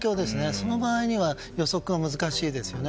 その場合には予測が難しいですよね。